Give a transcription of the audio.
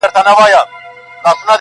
چي بیا به څو درجې ستا پر خوا کږيږي ژوند,